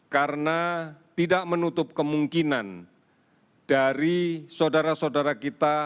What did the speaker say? karena tidak menutup kemungkinan dari saudara saudara kita